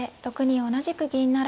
６二同じく銀不成。